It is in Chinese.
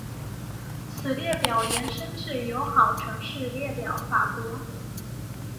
此列表延伸至友好城市列表法国。